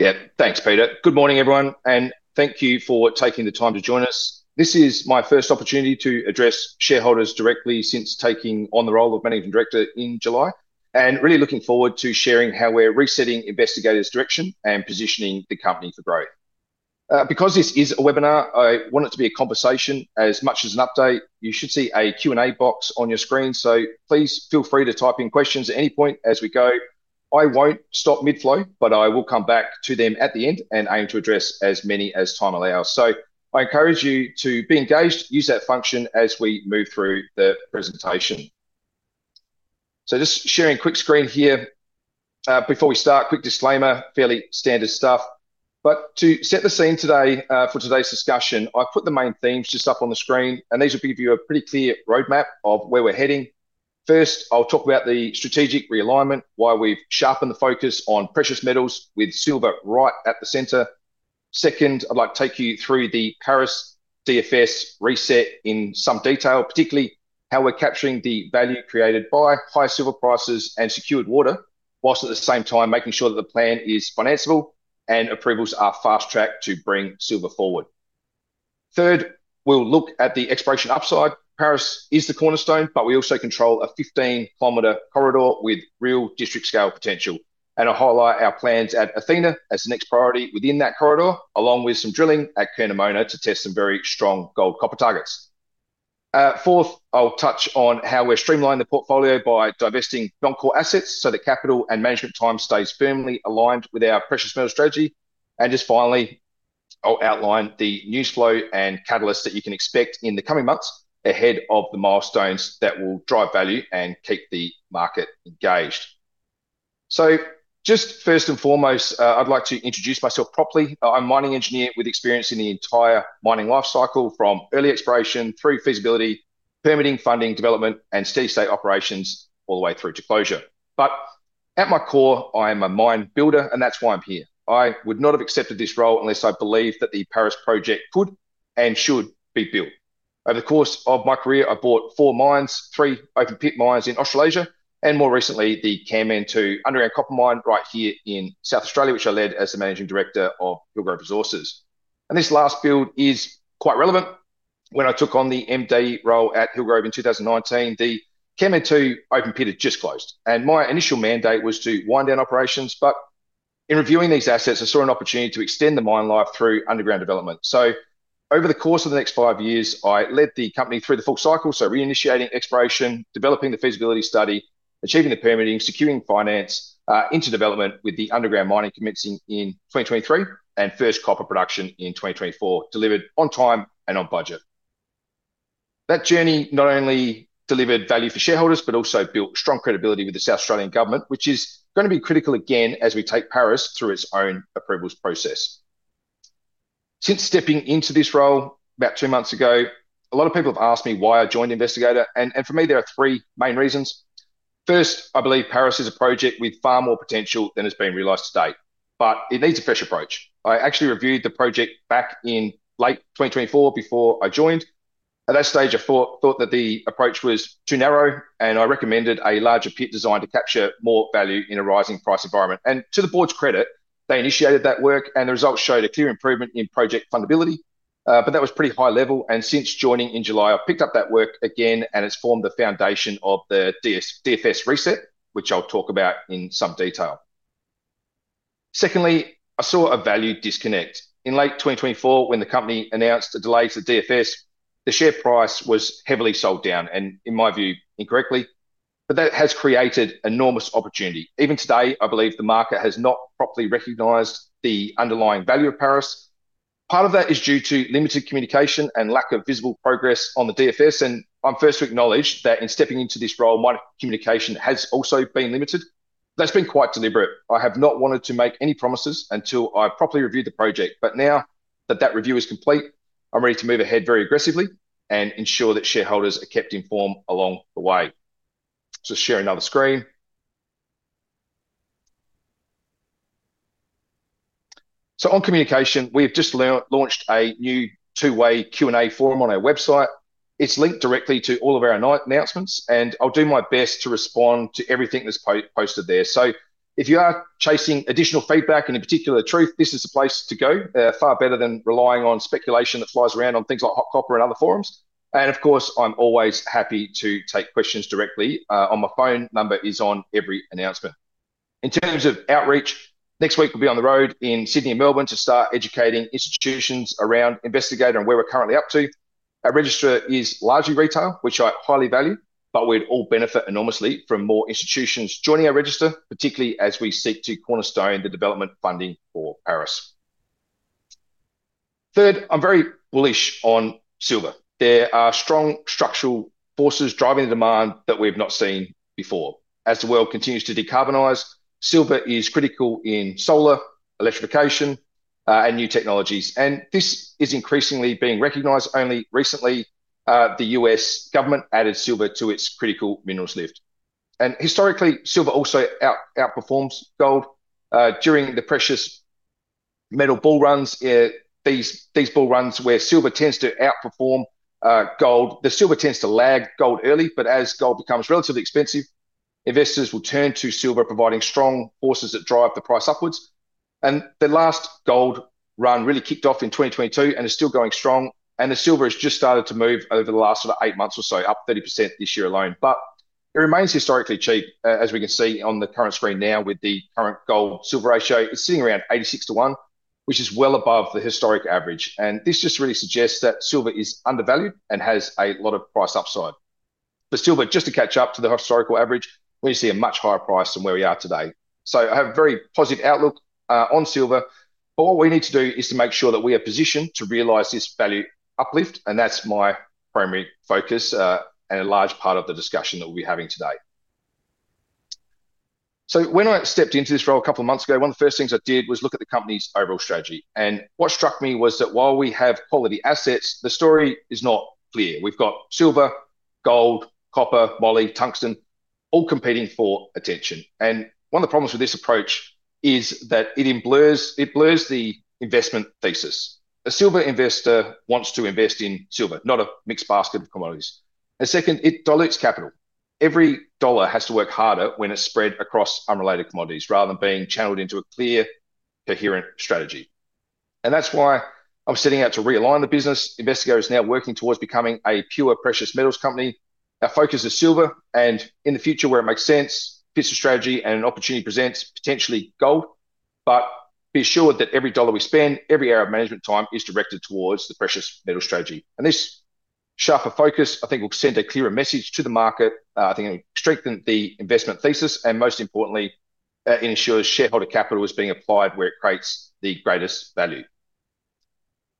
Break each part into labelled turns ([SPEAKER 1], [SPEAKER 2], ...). [SPEAKER 1] Yeah, thanks, Peter. Good morning, everyone, and thank you for taking the time to join us. This is my first opportunity to address shareholders directly since taking on the role of Managing Director in July, and really looking forward to sharing how we're resetting Investigator Resources' direction and positioning the company for growth. Because this is a webinar, I want it to be a conversation, as much as an update. You should see a Q&A box on your screen, so please feel free to type in questions at any point as we go. I won't stop mid-flow, but I will come back to them at the end and aim to address as many as time allows. I encourage you to be engaged, use that function as we move through the presentation. Just sharing a quick screen here. Before we start, a quick disclaimer, fairly standard stuff. To set the scene for today's discussion, I've put the main themes just up on the screen, and these will give you a pretty clear roadmap of where we're heading. First, I'll talk about the strategic realignment, why we've sharpened the focus on precious metals with silver right at the center. Second, I'd like to take you through the Paris Project Definitive Feasibility Study reset in some detail, particularly how we're capturing the value created by high silver prices and secured water, whilst at the same time making sure that the plan is financeable and approvals are fast-tracked to bring silver forward. Third, we'll look at the exploration upside. Paris is the cornerstone, but we also control a 15-kilometer corridor with real district-scale potential. I'll highlight our plans at Athena as the next priority within that corridor, along with some drilling at Kernamona to test some very strong gold-copper targets. Fourth, I'll touch on how we're streamlining the portfolio by divesting non-core assets so that capital and management time stays firmly aligned with our precious metal strategy. Finally, I'll outline the news flow and catalysts that you can expect in the coming months ahead of the milestones that will drive value and keep the market engaged. First and foremost, I'd like to introduce myself properly. I'm a mining engineer with experience in the entire mining lifecycle, from early exploration through feasibility, permitting, funding, development, and steady-state operations all the way through to closure. At my core, I am a mine builder, and that's why I'm here. I would not have accepted this role unless I believed that the Paris Project could and should be built. Over the course of my career, I've bought four mines, three open pit mines in Australasia, and more recently, the Kanmantoo underground copper mine right here in South Australia, which I led as the Managing Director of Hillgrove Resources. This last build is quite relevant. When I took on the MD role at Hillgrove in 2019, the Kanmantoo open pit had just closed, and my initial mandate was to wind down operations. In reviewing these assets, I saw an opportunity to extend the mine life through underground development. Over the course of the next five years, I led the company through the full cycle, reinitiating exploration, developing the feasibility study, achieving the permitting, securing finance, into development with the underground mining commencing in 2023, and first copper production in 2024, delivered on time and on budget. That journey not only delivered value for shareholders but also built strong credibility with the South Australian government, which is going to be critical again as we take Paris through its own approvals process. Since stepping into this role about two months ago, a lot of people have asked me why I joined Investigator, and for me, there are three main reasons. First, I believe Paris is a project with far more potential than has been realized to date, but it needs a fresh approach. I actually reviewed the project back in late 2024 before I joined. At that stage, I thought that the approach was too narrow, and I recommended a larger pit design to capture more value in a rising price environment. To the board's credit, they initiated that work, and the results showed a clear improvement in project fundability. That was pretty high-level, and since joining in July, I've picked up that work again and it has formed the foundation of the DFS reset, which I'll talk about in some detail. Secondly, I saw a value disconnect. In late 2024, when the company announced the delays to the DFS, the share price was heavily sold down, and in my view, incorrectly. That has created enormous opportunity. Even today, I believe the market has not properly recognized the underlying value of Paris. Part of that is due to limited communication and lack of visible progress on the DFS, and I'm first to acknowledge that in stepping into this role, my communication has also been limited. That's been quite deliberate. I have not wanted to make any promises until I properly reviewed the project. Now that that review is complete, I'm ready to move ahead very aggressively and ensure that shareholders are kept informed along the way. I'll just share another screen. On communication, we have just launched a new two-way Q&A forum on our website. It's linked directly to all of our announcements, and I'll do my best to respond to everything that's posted there. If you are chasing additional feedback and in particular the truth, this is the place to go, far better than relying on speculation that flies around on things like HotCopper and other forums. Of course, I'm always happy to take questions directly on my phone. The number is on every announcement. In terms of outreach, next week we'll be on the road in Sydney and Melbourne to start educating institutions around Investigator Resources and where we're currently up to. Our register is largely retail, which I highly value, but we'd all benefit enormously from more institutions joining our register, particularly as we seek to cornerstone the development funding for Paris. I'm very bullish on silver. There are strong structural forces driving the demand that we have not seen before. As the world continues to decarbonize, silver is critical in solar, electrification, and new technologies, and this is increasingly being recognized. Only recently, the U.S. government added silver to its critical minerals list. Historically, silver also outperforms gold during the precious metal bull runs. These bull runs where silver tends to outperform gold, the silver tends to lag gold early, but as gold becomes relatively expensive, investors will turn to silver, providing strong forces that drive the price upwards. The last gold run really kicked off in 2022 and is still going strong, and the silver has just started to move over the last sort of eight months or so, up 30% this year alone. It remains historically cheap, as we can see on the current screen now with the current gold-silver ratio. It's sitting around 86 to 1, which is well above the historic average, and this just really suggests that silver is undervalued and has a lot of price upside. For silver, just to catch up to the historical average, we see a much higher price than where we are today. I have a very positive outlook on silver. All we need to do is to make sure that we are positioned to realize this value uplift, and that's my primary focus and a large part of the discussion that we'll be having today. When I stepped into this role a couple of months ago, one of the first things I did was look at the company's overall strategy. What struck me was that while we have quality assets, the story is not clear. We've got silver, gold, copper, moly, tungsten, all competing for attention. One of the problems with this approach is that it blurs the investment thesis. A silver investor wants to invest in silver, not a mixed basket of commodities. It also dilutes capital. Every dollar has to work harder when it's spread across unrelated commodities rather than being channeled into a clear, coherent strategy. That's why I'm setting out to realign the business. Investigator Resources is now working towards becoming a pure precious metals company. Our focus is silver, and in the future, where it makes sense, if this strategy and an opportunity present, potentially gold. Be assured that every dollar we spend, every hour of management time is directed towards the precious metals strategy. This sharper focus, I think, will send a clearer message to the market. I think it will strengthen the investment thesis and, most importantly, ensure shareholder capital is being applied where it creates the greatest value.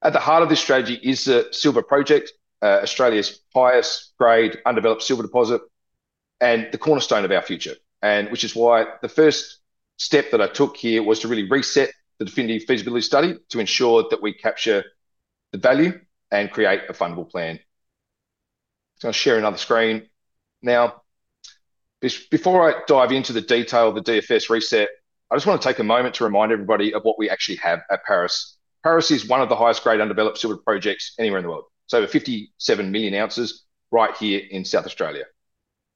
[SPEAKER 1] At the heart of this strategy is the silver project, Australia's highest-grade undeveloped silver deposit and the cornerstone of our future, which is why the first step that I took here was to really reset the Definitive Feasibility Study to ensure that we capture the value and create a fundable plan. I'll share another screen now. Before I dive into the detail of the DFS reset, I just want to take a moment to remind everybody of what we actually have at Paris. Paris is one of the highest-grade undeveloped silver projects anywhere in the world, so 57 million ounces right here in South Australia.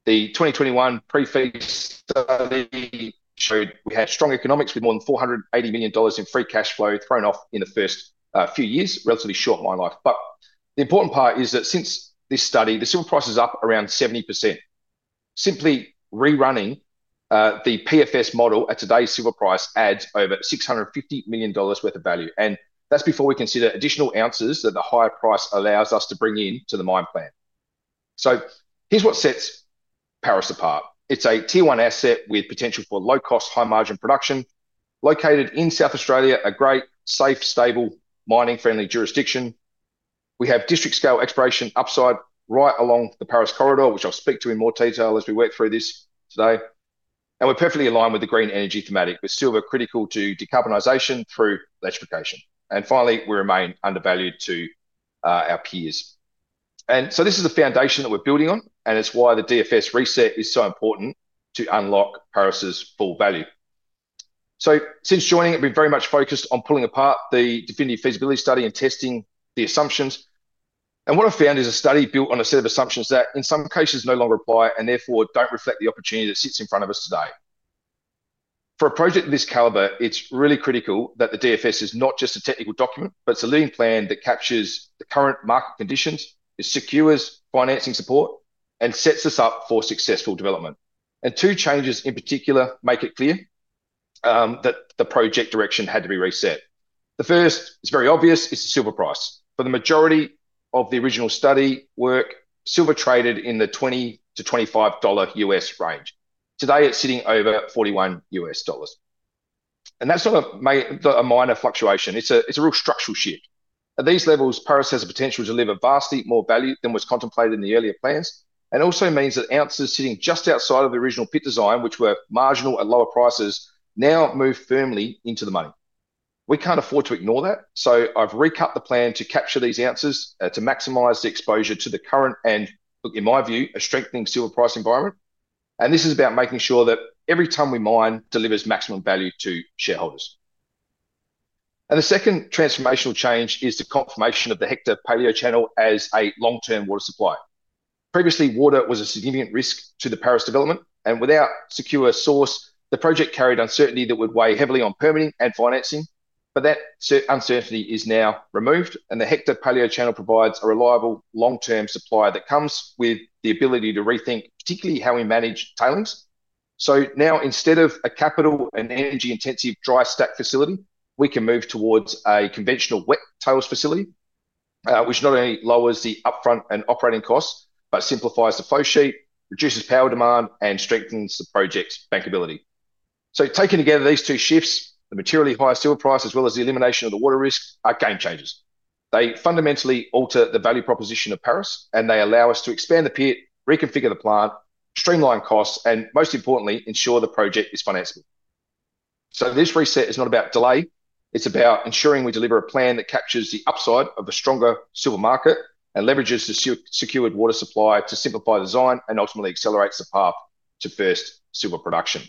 [SPEAKER 1] The 2021 Pre-Feasibility Study showed we had strong economics with more than $480 million in free cash flow thrown off in the first few years, relatively short mine life. The important part is that since this study, the silver price is up around 70%. Simply rerunning the PFS model at today's silver price adds over $650 million worth of value, and that's before we consider additional ounces that the higher price allows us to bring into the mine plan. Here's what sets Paris apart. It's a Tier 1 asset with potential for low-cost, high-margin production, located in South Australia, a great, safe, stable, mining-friendly jurisdiction. We have district-scale exploration upside right along the Paris corridor, which I'll speak to in more detail as we work through this today. We're perfectly aligned with the green energy thematic, with silver critical to decarbonisation through electrification. Finally, we remain undervalued to our peers. This is the foundation that we're building on, and it's why the DFS reset is so important to unlock Paris's full value. Since joining, I've been very much focused on pulling apart the Definitive Feasibility Study and testing the assumptions. What I've found is a study built on a set of assumptions that, in some cases, no longer apply and therefore don't reflect the opportunity that sits in front of us today. For a project of this calibre, it's really critical that the DFS is not just a technical document, but it's a living plan that captures the current market conditions, secures financing support, and sets us up for successful development. Two changes in particular make it clear that the project direction had to be reset. The first, it's very obvious, it's the silver price. For the majority of the original study work, silver traded in the $20 to $25 U.S. range. Today, it's sitting over $41 U.S. dollars. That's not a minor fluctuation. It's a real structural shift. At these levels, Paris has the potential to deliver vastly more value than was contemplated in the earlier plans, and it also means that ounces sitting just outside of the original pit design, which were marginal at lower prices, now move firmly into the money. We can't afford to ignore that, so I've recut the plan to capture these ounces to maximise the exposure to the current and, look, in my view, a strengthening silver price environment. This is about making sure that every ton we mine delivers maximum value to shareholders. The second transformational change is the confirmation of the Hector-Palio channel as a long-term water supply. Previously, water was a significant risk to the Paris development, and without a secure source, the project carried uncertainty that would weigh heavily on permitting and financing. That uncertainty is now removed, and the Hector-Palio channel provides a reliable long-term supply that comes with the ability to rethink, particularly, how we manage tailings. Now, instead of a capital and energy-intensive dry stack facility, we can move towards a conventional wet tailings facility, which not only lowers the upfront and operating costs, but simplifies the flow sheet, reduces power demand, and strengthens the project's bankability. Taken together, these two shifts, the materially higher silver price as well as the elimination of the water risk, are game changers. They fundamentally alter the value proposition of Paris, and they allow us to expand the pit, reconfigure the plant, streamline costs, and, most importantly, ensure the project is financeable. This reset is not about delay. It's about ensuring we deliver a plan that captures the upside of a stronger silver market and leverages the secured water supply to simplify the design and ultimately accelerate the path to first silver production.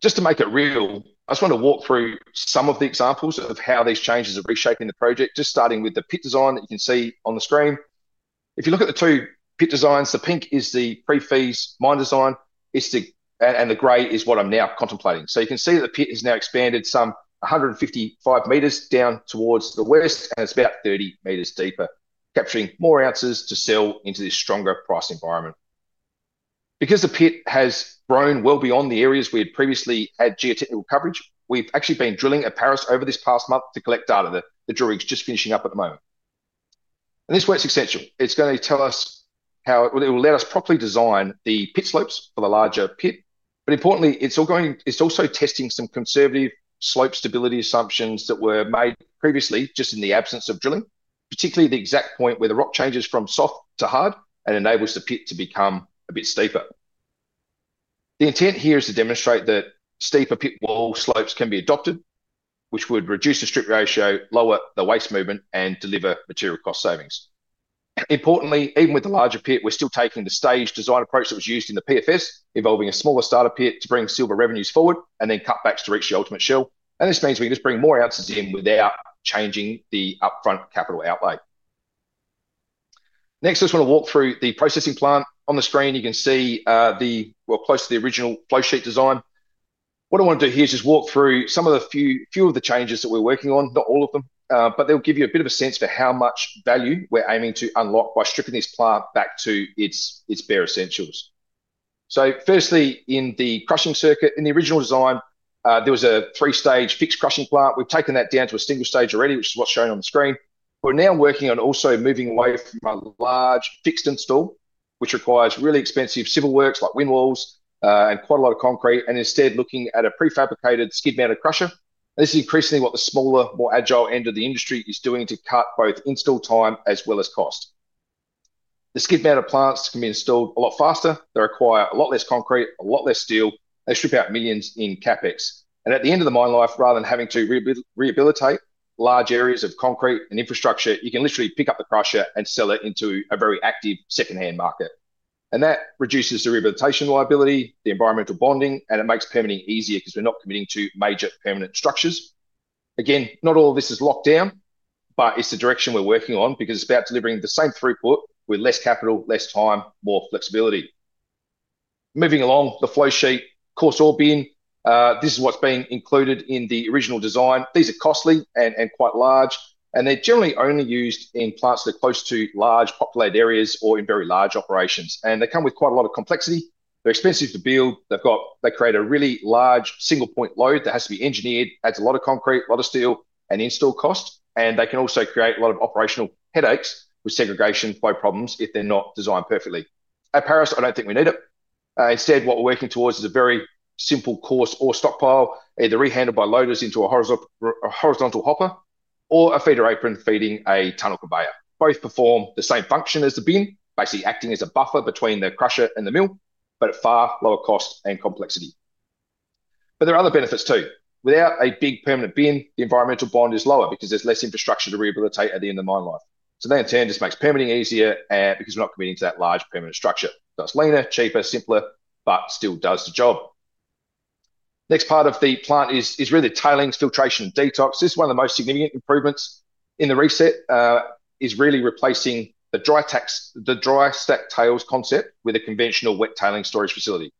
[SPEAKER 1] Just to make it real, I want to walk through some of the examples of how these changes are reshaping the project, just starting with the pit design that you can see on the screen. If you look at the two pit designs, the pink is the Pre-Feasibility Study mine design, and the grey is what I'm now contemplating. You can see that the pit is now expanded some 155 meters down towards the west, and it's about 30 meters deeper, capturing more ounces to sell into this stronger price environment. Because the pit has grown well beyond the areas we had previously had geotechnical coverage, we've actually been drilling at Paris over this past month to collect data. The drilling is just finishing up at the moment. This works exceptionally. It's going to tell us how it will let us properly design the pit slopes for the larger pit. Importantly, it's also testing some conservative slope stability assumptions that were made previously just in the absence of drilling, particularly the exact point where the rock changes from soft to hard and enables the pit to become a bit steeper. The intent here is to demonstrate that steeper pit wall slopes can be adopted, which would reduce the strip ratio, lower the waste movement, and deliver material cost savings. Importantly, even with the larger pit, we're still taking the staged design approach that was used in the PFS, involving a smaller starter pit to bring silver revenues forward and then cut back to reach the ultimate shell. This means we can just bring more ounces in without changing the upfront capital outlay. Next, I just want to walk through the processing plant. On the screen, you can see we're close to the original flow sheet design. What I want to do here is just walk through some of the changes that we're working on, not all of them, but they'll give you a bit of a sense for how much value we're aiming to unlock by stripping this plant back to its bare essentials. Firstly, in the crushing circuit, in the original design, there was a three-stage fixed crushing plant. We've taken that down to a single stage already, which is what's shown on the screen. We're now working on also moving away from a large fixed install, which requires really expensive civil works like wind walls and quite a lot of concrete, and instead looking at a prefabricated skid-mounted crusher. This is increasingly what the smaller, more agile end of the industry is doing to cut both install time as well as cost. The skid-mounted plants can be installed a lot faster. They require a lot less concrete, a lot less steel, and strip out millions in CapEx. At the end of the mine life, rather than having to rehabilitate large areas of concrete and infrastructure, you can literally pick up the crusher and sell it into a very active second-hand market. That reduces the rehabilitation liability, the environmental bonding, and it makes permitting easier because we're not committing to major permanent structures. Not all of this is locked down, but it's the direction we're working on because it's about delivering the same throughput with less capital, less time, more flexibility. Moving along the flow sheet, coarse ore bin, this is what's been included in the original design. These are costly and quite large, and they're generally only used in plants that are close to large populated areas or in very large operations. They come with quite a lot of complexity. They're expensive to build. They create a really large single-point load that has to be engineered, adds a lot of concrete, a lot of steel, and install costs, and they can also create a lot of operational headaches with segregation flow problems if they're not designed perfectly. At Paris, I don't think we need it. Instead, what we're working towards is a very simple coarse ore stockpile, either re-handled by loaders into a horizontal hopper or a feeder apron feeding a tunnel conveyor. Both perform the same function as the bin, basically acting as a buffer between the crusher and the mill, but at far lower cost and complexity. There are other benefits too. Without a big permanent bin, the environmental bond is lower because there's less infrastructure to rehabilitate at the end of the mine life. That in turn just makes permitting easier because we're not committing to that large permanent structure. It's leaner, cheaper, simpler, but still does the job. Next part of the plant is really tailings, filtration, and detox. This is one of the most significant improvements in the reset, really replacing the dry stack tails concept with a conventional wet tailings storage facility.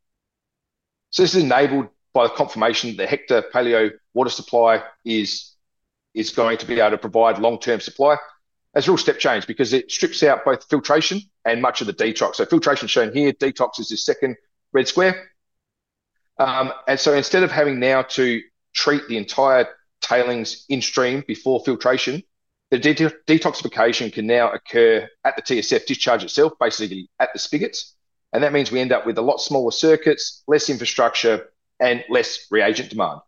[SPEAKER 1] This is enabled by the confirmation that the Hector-Palio water supply is going to be able to provide long-term supply. That's a real step change because it strips out both filtration and much of the detox. Filtration is shown here. Detox is this second red square. Instead of having now to treat the entire tailings in-stream before filtration, the detoxification can now occur at the TSF discharge itself, basically at the spigots. That means we end up with a lot smaller circuits, less infrastructure, and less reagent demand.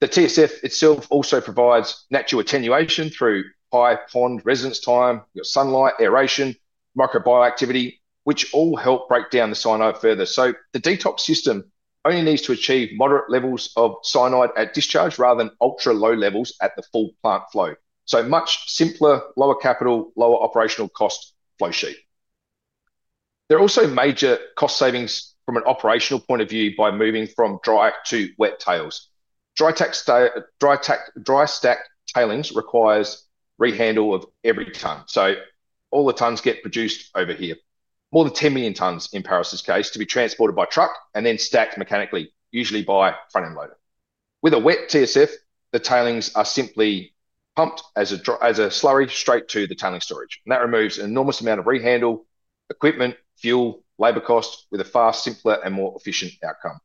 [SPEAKER 1] The TSF itself also provides natural attenuation through high pond residence time, sunlight, aeration, microbial activity, which all help break down the cyanide further. The detox system only needs to achieve moderate levels of cyanide at discharge rather than ultra-low levels at the full plant flow. Much simpler, lower capital, lower operational cost flow sheet. There are also major cost savings from an operational point of view by moving from dry to wet tails. Dry stack tailings require re-handling of every ton. All the tons get produced over here, more than 10 million tons in Paris' case, to be transported by truck and then stacked mechanically, usually by front-end loader. With a wet TSF, the tailings are simply pumped as a slurry straight to the tailings storage. That removes an enormous amount of re-handling, equipment, fuel, labor costs, with a far simpler and more efficient outcome.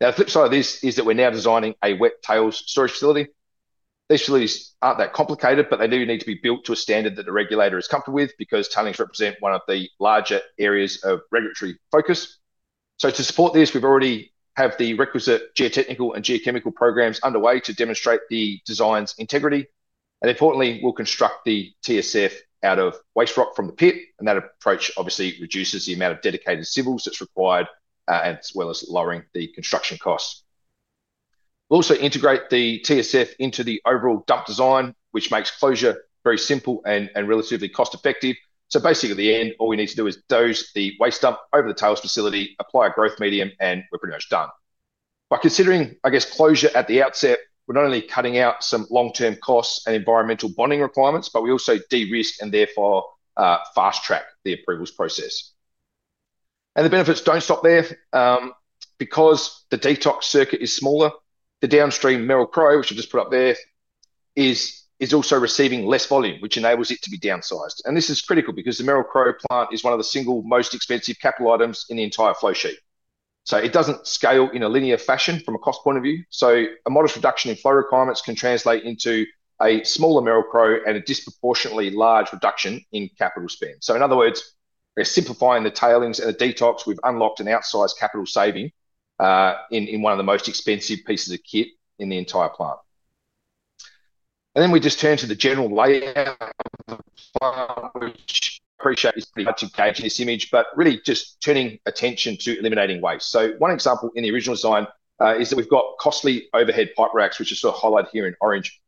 [SPEAKER 1] The flip side of this is that we're now designing a wet tails storage facility. These facilities aren't that complicated, but they do need to be built to a standard that the regulator is comfortable with because tailings represent one of the larger areas of regulatory focus. To support this, we've already had the requisite geotechnical and geochemical programs underway to demonstrate the design's integrity. Importantly, we'll construct the TSF out of waste rock from the pit, and that approach obviously reduces the amount of dedicated civils that's required, as well as lowering the construction costs. We'll also integrate the TSF into the overall dump design, which makes closure very simple and relatively cost-effective. Basically, at the end, all we need to do is doze the waste dump over the tails facility, apply a growth medium, and we're pretty much done. By considering closure at the outset, we're not only cutting out some long-term costs and environmental bonding requirements, but we also de-risk and therefore fast-track the approvals process. The benefits don't stop there. Because the detox circuit is smaller, the downstream mineral crow, which I've just put up there, is also receiving less volume, which enables it to be downsized. This is critical because the mineral crow plant is one of the single most expensive capital items in the entire flow sheet. It doesn't scale in a linear fashion from a cost point of view. A modest reduction in flow requirements can translate into a smaller mineral crow and a disproportionately large reduction in capital spend. In other words, by simplifying the tailings and the detox, we've unlocked an outsized capital saving in one of the most expensive pieces of kit in the entire plant. We just turn to the general layout of the plant, which I appreciate is pretty much engaged in this image, but really just turning attention to eliminating waste. One example in the original design is that we've got costly overhead pipe racks, which are sort of highlighted here in orange.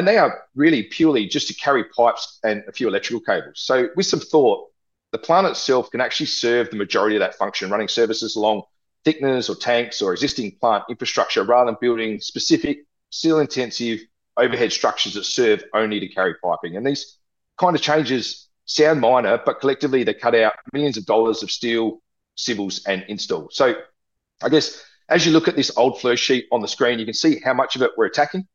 [SPEAKER 1] They are really purely just to carry pipes and a few electrical cables. With some thought, the plant itself can actually serve the majority of that function, running services along thickness or tanks or existing plant infrastructure, rather than building specific, steel-intensive overhead structures that serve only to carry piping. These kind of changes sound minor, but collectively, they cut out millions of dollars of steel, civils, and install. I guess as you look at this old flow sheet on the screen, you can see how much of it we're attacking.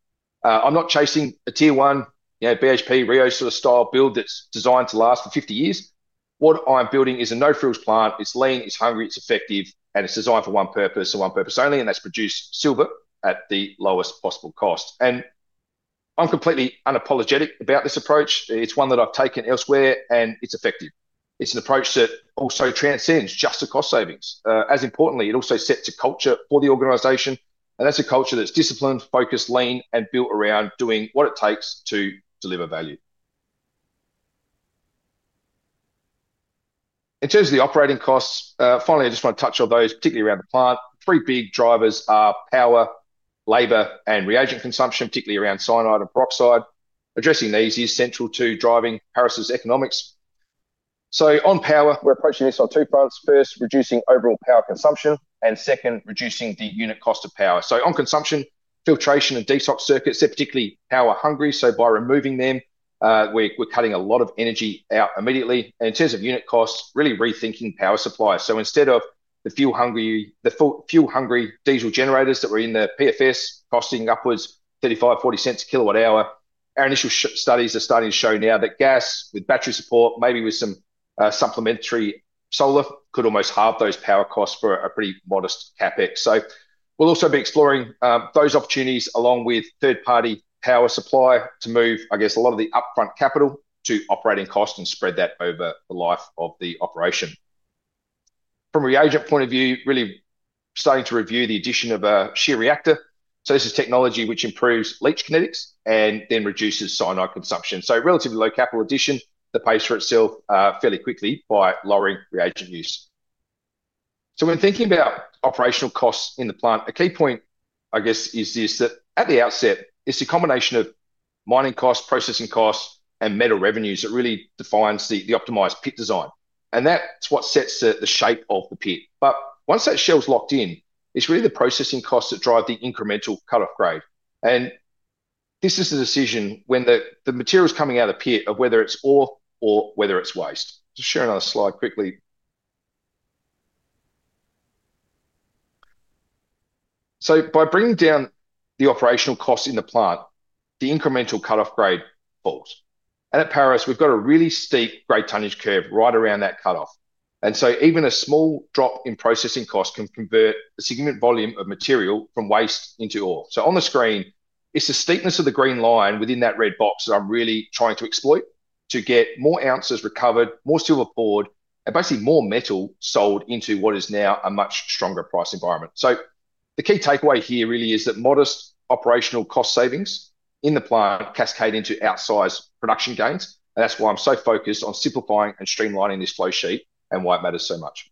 [SPEAKER 1] I'm not chasing a Tier 1, you know, BHP Rio sort of style build that's designed to last for 50 years. What I'm building is a no-frills plant. It's lean, it's hungry, it's effective, and it's designed for one purpose and one purpose only, and that's produce silver at the lowest possible cost. I'm completely unapologetic about this approach. It's one that I've taken elsewhere, and it's effective. It's an approach that also transcends just the cost savings. As importantly, it also sets a culture for the organization, and that's a culture that's disciplined, focused, lean, and built around doing what it takes to deliver value. In terms of the operating costs, finally, I just want to touch on those, particularly around the plant. Three big drivers are power, labor, and reagent consumption, particularly around cyanide and peroxide. Addressing these is central to driving Paris' economics. On power, we're approaching SR2 products first, reducing overall power consumption, and second, reducing the unit cost of power. On consumption, filtration and detox circuits, they're particularly power hungry. By removing them, we're cutting a lot of energy out immediately. In terms of unit costs, really rethinking power supply. Instead of the fuel-hungry diesel generators that were in the PFS costing upwards $0.35, $0.40 a kilowatt-hour, our initial studies are starting to show now that gas with battery support, maybe with some supplementary solar, could almost halve those power costs for a pretty modest CapEx. We'll also be exploring those opportunities along with third-party power supply to move, I guess, a lot of the upfront capital to operating costs and spread that over the life of the operation. From a reagent point of view, really starting to review the addition of a shear reactor. This is technology which improves leach kinetics and then reduces cyanide consumption. Relatively low capital addition that pays for itself fairly quickly by lowering reagent use. When thinking about operational costs in the plant, a key point, I guess, is this that at the outset, it's the combination of mining costs, processing costs, and metal revenues that really defines the optimized pit design. That's what sets the shape of the pit. Once that shell's locked in, it's really the processing costs that drive the incremental cut-off grade. This is the decision when the material's coming out of the pit of whether it's ore or whether it's waste. Just share another slide quickly. By bringing down the operational costs in the plant, the incremental cut-off grade falls. At Paris, we've got a really steep grade tonnage curve right around that cut-off. Even a small drop in processing costs can convert a significant volume of material from waste into ore. On the screen, it's the steepness of the green line within that red box that I'm really trying to exploit to get more ounces recovered, more silver poured, and basically more metal sold into what is now a much stronger price environment. The key takeaway here really is that modest operational cost savings in the plant cascade into outsized production gains. That's why I'm so focused on simplifying and streamlining this flow sheet and why it matters so much.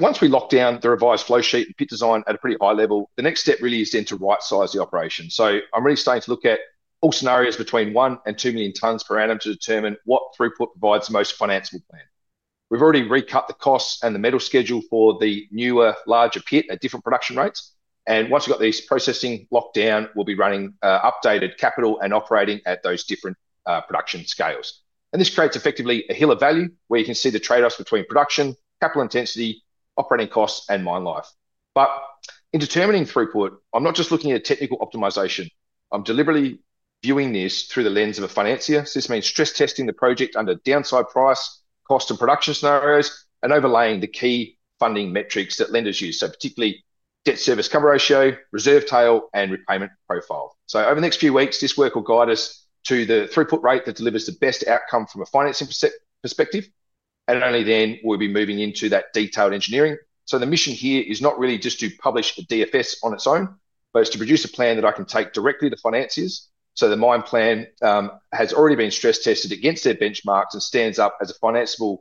[SPEAKER 1] Once we lock down the revised flow sheet and pit design at a pretty high level, the next step really is then to right-size the operation. I'm really starting to look at all scenarios between one and two million tonnes per annum to determine what throughput provides the most financeable plan. We've already recut the costs and the metal schedule for the newer, larger pit at different production rates. Once we've got these processing locked down, we'll be running updated capital and operating at those different production scales. This creates effectively a hill of value where you can see the trade-offs between production, capital intensity, operating costs, and mine life. In determining throughput, I'm not just looking at a technical optimisation. I'm deliberately viewing this through the lens of a financier. This means stress-testing the project under downside price, cost, and production scenarios, and overlaying the key funding metrics that lenders use, particularly debt service cover ratio, reserve tail, and repayment profile. Over the next few weeks, this work will guide us to the throughput rate that delivers the best outcome from a financing perspective. Only then will we be moving into that detailed engineering. The mission here is not really just to publish a DFS on its own, but to produce a plan that I can take directly to finances. The mine plan has already been stress-tested against their benchmarks and stands up as a financeable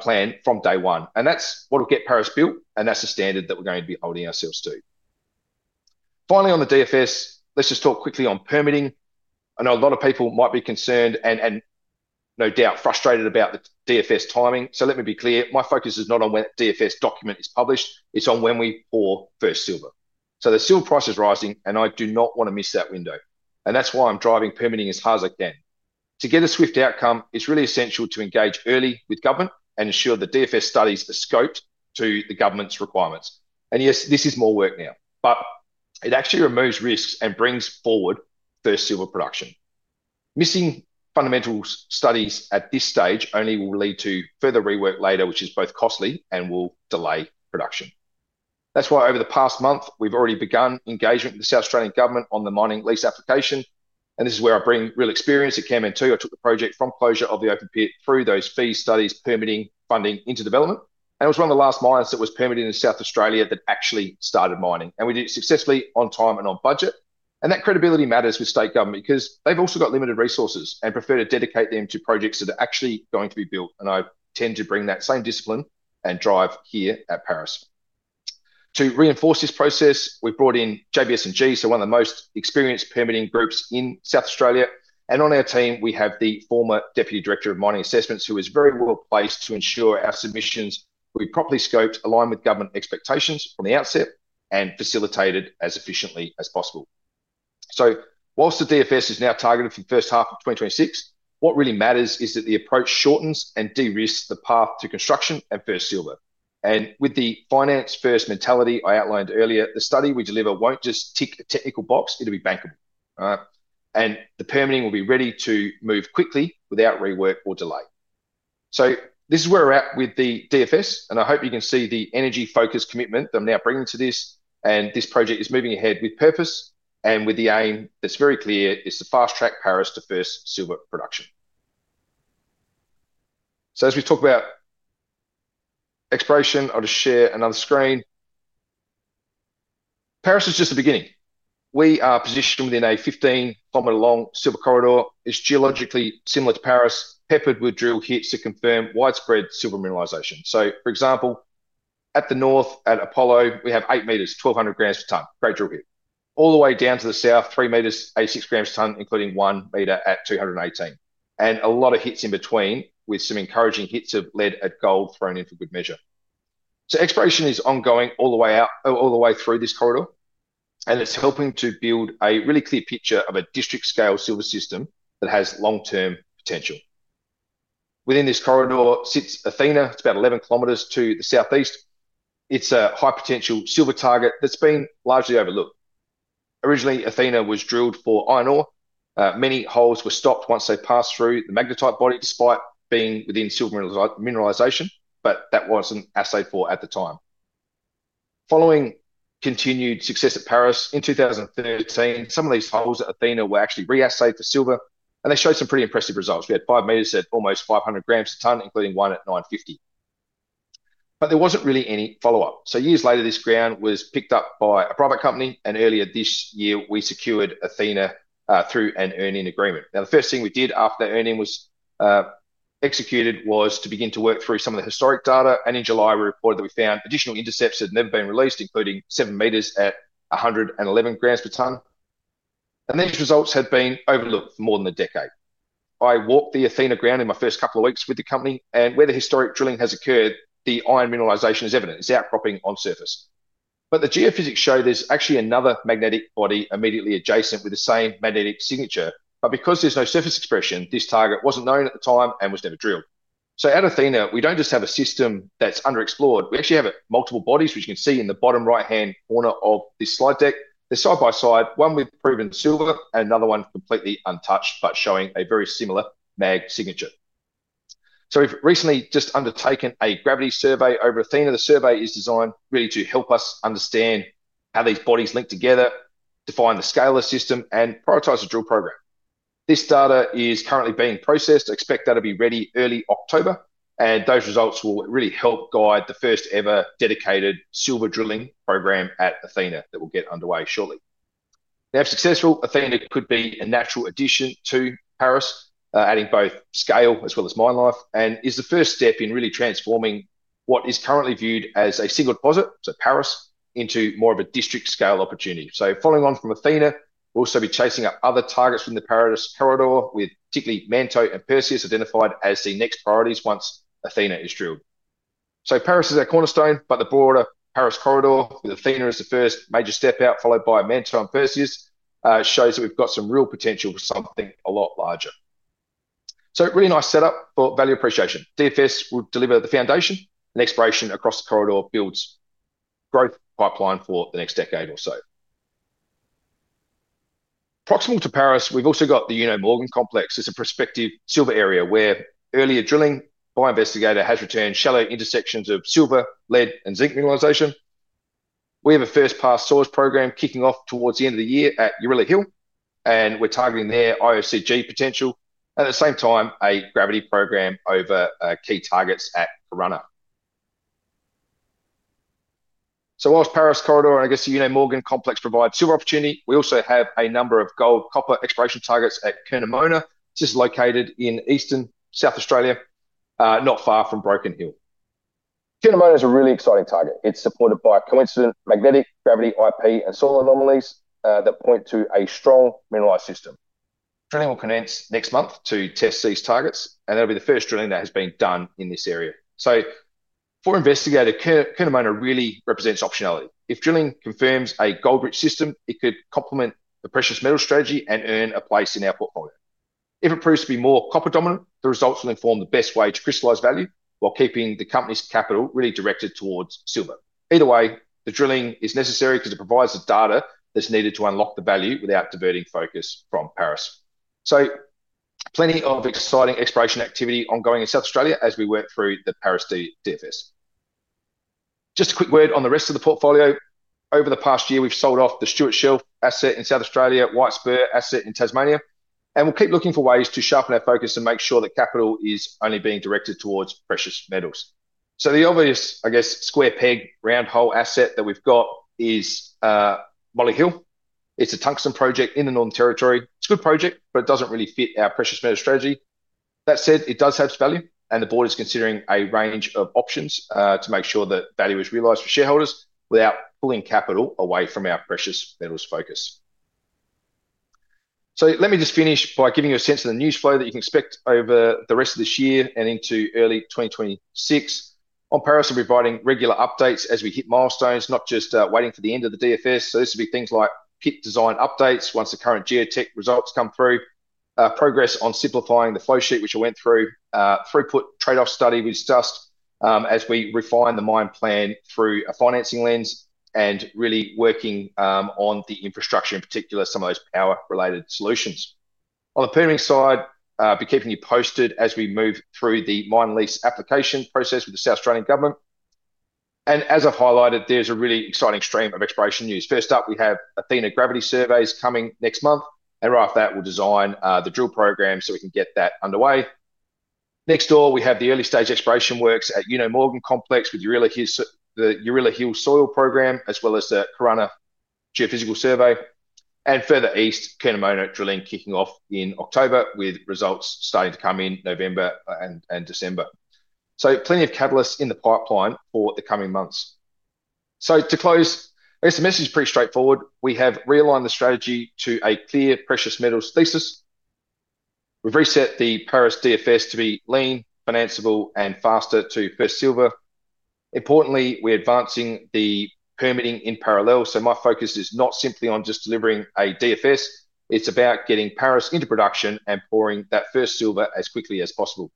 [SPEAKER 1] plan from day one. That's what'll get Paris built, and that's the standard that we're going to be holding ourselves to. Finally, on the DFS, let's just talk quickly on permitting. I know a lot of people might be concerned and no doubt frustrated about the DFS timing. Let me be clear. My focus is not on when the DFS document is published. It's on when we pour first silver. The silver price is rising, and I do not want to miss that window. That's why I'm driving permitting as hard as I can. To get a swift outcome, it's really essential to engage early with government and ensure the DFS studies are scoped to the government's requirements. Yes, this is more work now, but it actually removes risks and brings forward first silver production. Missing fundamental studies at this stage only will lead to further rework later, which is both costly and will delay production. Over the past month, we've already begun engagement with the South Australian government on the mining lease application. This is where I bring real experience at Kanmantoo. I took the project from closure of the open pit through those feasibility studies, permitting, funding, into development. It was one of the last mines that was permitted in South Australia that actually started mining. We did it successfully, on time and on budget. That credibility matters with state government because they've also got limited resources and prefer to dedicate them to projects that are actually going to be built. I tend to bring that same discipline and drive here at Paris. To reinforce this process, we've brought in JBS&G, one of the most experienced permitting groups in South Australia. On our team, we have the former Deputy Director of Mining Assessments, who is very well placed to ensure our submissions will be properly scoped, aligned with government expectations from the outset, and facilitated as efficiently as possible. Whilst the DFS is now targeted for the first half of 2026, what really matters is that the approach shortens and de-risks the path to construction and first silver. With the finance-first mentality I outlined earlier, the study we deliver won't just tick a technical box. It'll be bankable. The permitting will be ready to move quickly without rework or delay. This is where we're at with the DFS, and I hope you can see the energy-focused commitment that I'm now bringing to this. This project is moving ahead with purpose and with the aim that's very clear. It's to fast-track Paris to first silver production. As we talk about exploration, I'll just share another screen. Paris is just the beginning. We are positioned within a 15-kilometer long silver corridor. It's geologically similar to Paris, peppered with drill hits to confirm widespread silver mineralization. For example, at the north at Apollo, we have 8 meters, 1,200 grams per tonne grade drill hit. All the way down to the south, 3 meters, 86 grams per tonne, including 1 meter at 218. There are a lot of hits in between, with some encouraging hits of lead and gold thrown in for good measure. Exploration is ongoing all the way out, all the way through this corridor. It's helping to build a really clear picture of a district-scale silver system that has long-term potential. Within this corridor sits Athena. It's about 11 kilometers to the southeast. It's a high-potential silver target that's been largely overlooked. Originally, Athena was drilled for iron ore. Many holes were stopped once they passed through the magnetite body, despite being within silver mineralization, but that wasn't assayed for at the time. Following continued success at Paris, in 2013, some of these holes at Athena were actually reassayed for silver, and they showed some pretty impressive results. We had 5 meters at almost 500 grams per tonne, including 1 at 950. There wasn't really any follow-up. Years later, this ground was picked up by a private company, and earlier this year, we secured Athena through an earning agreement. The first thing we did after the earning was executed was to begin to work through some of the historic data. In July, we reported that we found additional intercepts that had never been released, including 7 meters at 111 grams per tonne. These results had been overlooked for more than a decade. I walked the Athena ground in my first couple of weeks with the company, and where the historic drilling has occurred, the iron mineralization is evident. It's outcropping on surface. The geophysics show there's actually another magnetic body immediately adjacent with the same magnetic signature. Because there's no surface expression, this target wasn't known at the time and was never drilled. At Athena, we don't just have a system that's underexplored. We actually have multiple bodies, which you can see in the bottom right-hand corner of this slide deck. They're side by side, one with proven silver and another one completely untouched, but showing a very similar mag signature. We've recently just undertaken a gravity survey over Athena. The survey is designed really to help us understand how these bodies link together, define the scale of the system, and prioritize the drill program. This data is currently being processed. I expect that to be ready early October, and those results will really help guide the first ever dedicated silver drilling program at Athena that will get underway shortly. If successful, Athena could be a natural addition to Paris, adding both scale as well as mine life, and is the first step in really transforming what is currently viewed as a single deposit, Paris, into more of a district-scale opportunity. Following on from Athena, we'll also be chasing up other targets within the Paris corridor, with particularly Mantoux and Perseus identified as the next priorities once Athena is drilled. Paris is a cornerstone, but the broader Paris corridor, with Athena as the first major step out, followed by Mantoux and Perseus, shows that we've got some real potential for something a lot larger. Really nice setup for value appreciation. DFS will deliver the foundation, and exploration across the corridor builds a growth pipeline for the next decade or so. Proximal to Paris, we've also got the Uno-Morgan complex. It's a prospective silver area where earlier drilling by Investigator has returned shallow intersections of silver, lead, and zinc mineralization. We have a first-pass source program kicking off towards the end of the year at Urilla Hill, and we're targeting their IOCG potential. At the same time, a gravity program over key targets at Piranha. Whilst Paris corridor and I guess the Uno-Morgan complex provide silver opportunity, we also have a number of gold copper exploration targets at Kernamona. It's just located in eastern South Australia, not far from Broken Hill. Kernamona is a really exciting target. It's supported by coincident magnetic gravity IP and soil anomalies that point to a strong mineralized system. Drilling will commence next month to test these targets, and that'll be the first drilling that has been done in this area. For Investigator, Kernamona really represents optionality. If drilling confirms a gold-rich system, it could complement the precious metal strategy and earn a place in our portfolio. If it proves to be more copper dominant, the results will inform the best way to crystallize value while keeping the company's capital really directed towards silver. Either way, the drilling is necessary because it provides the data that's needed to unlock the value without diverting focus from Paris. Plenty of exciting exploration activity is ongoing in South Australia as we went through the Paris DFS. Just a quick word on the rest of the portfolio. Over the past year, we've sold off the Stewart Shell asset in South Australia, Whitesburg asset in Tasmania, and we'll keep looking for ways to sharpen our focus and make sure that capital is only being directed towards precious metals. The obvious, I guess, square peg round hole asset that we've got is Molyhil. It's a tungsten project in the Northern Territory. It's a good project, but it doesn't really fit our precious metal strategy. That said, it does have value, and the board is considering a range of options to make sure that value is realized for shareholders without pulling capital away from our precious metals focus. Let me just finish by giving you a sense of the news flow that you can expect over the rest of this year and into early 2026. On Paris, we'll be providing regular updates as we hit milestones, not just waiting for the end of the DFS. This will be things like pit design updates once the current geotech results come through, progress on simplifying the flow sheet, which I went through, throughput trade-off study we discussed as we refine the mine plan through a financing lens and really working on the infrastructure, in particular, some of those power-related solutions. On the permitting side, I'll be keeping you posted as we move through the mine lease application process with the South Australian government. As I've highlighted, there's a really exciting stream of exploration news. First up, we have Athena gravity surveys coming next month, and right after that, we'll design the drill program so we can get that underway. Next door, we have the early-stage exploration works at Uno-Morgan complex with the Urilla Hill soil program, as well as the Piranha geophysical survey. Further east, Kernamona drilling kicking off in October with results starting to come in November and December. Plenty of catalysts are in the pipeline for the coming months. To close, I guess the message is pretty straightforward. We have realigned the strategy to a clear precious metals thesis. We've reset the Paris DFS to be lean, financeable, and faster to first silver. Importantly, we're advancing the permitting in parallel. My focus is not simply on just delivering a DFS. It's about getting Paris into production and pouring that first silver as quickly as possible.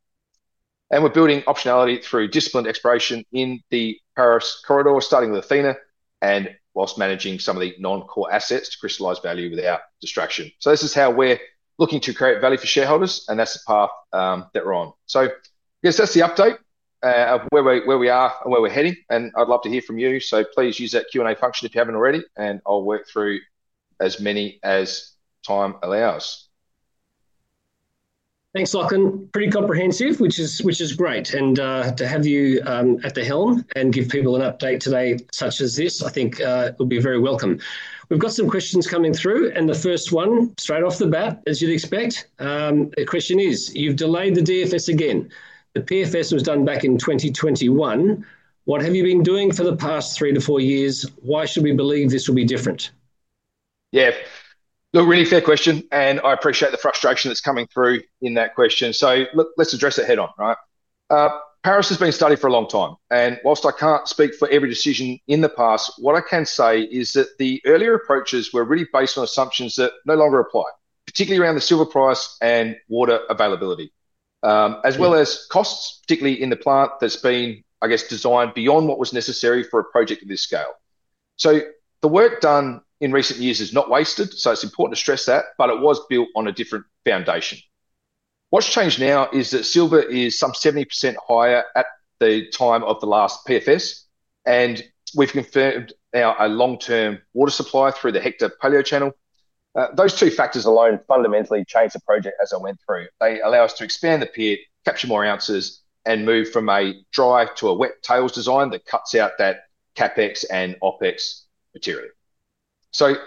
[SPEAKER 1] We're building optionality through disciplined exploration in the Paris corridor, starting with Athena and whilst managing some of the non-core assets to crystallize value without distraction. This is how we're looking to create value for shareholders, and that's the path that we're on. I guess that's the update of where we are and where we're heading, and I'd love to hear from you. Please use that Q&A function if you haven't already, and I'll work through as many as time allows.
[SPEAKER 2] Thanks, Lachlan. Pretty comprehensive, which is great. To have you at the helm and give people an update today such as this, I think it will be very welcome. We've got some questions coming through. The first one, straight off the bat, as you'd expect, the question is, you've delayed the DFS again. The PFS was done back in 2021. What have you been doing for the past three to four years? Why should we believe this will be different?
[SPEAKER 1] Yeah, look, really fair question, and I appreciate the frustration that's coming through in that question. Look, let's address it head-on, right? Paris has been studied for a long time, and whilst I can't speak for every decision in the past, what I can say is that the earlier approaches were really based on assumptions that no longer apply, particularly around the silver price and water availability, as well as costs, particularly in the plant that's been, I guess, designed beyond what was necessary for a project of this scale. The work done in recent years is not wasted, so it's important to stress that, but it was built on a different foundation. What's changed now is that silver is some 70% higher at the time of the last PFS, and we've confirmed now a long-term water supply through the Hector-Palio channel. Those two factors alone fundamentally changed the project as I went through. They allow us to expand the pit, capture more ounces, and move from a dry to a wet tails design that cuts out that CapEx and OpEx material. The